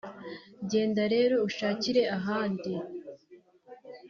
genda rero ushakire ahandi